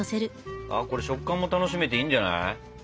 ああこれ食感も楽しめていいんじゃない？